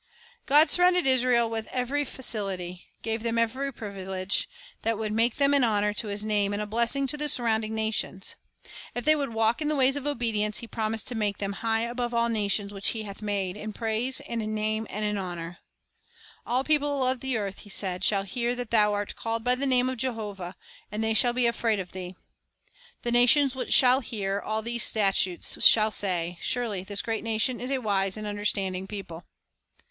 2 God surrounded Israel with every facility, gave them Facilities every privilege, that would make them an honor to His m canaaa name and a blessing to surrounding nations. If they would walk in the ways of obedience, He promised to make them "high above all nations which He hath made, in praise, and in name, and in honor." "All peo ple of the earth," He said, "shall hear that thou art called by the name of Jehovah; and they shall be afraid of thee." The nations which shall hear all these stat utes shall say, "Surely this great nation is a wise and understanding people."